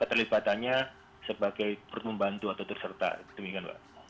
keterlipatannya sebagai turut membantu atau terserta demikian pak